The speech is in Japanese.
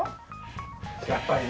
やっぱりね。